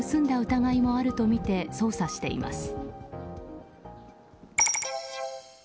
疑いもあるとみて捜査しています。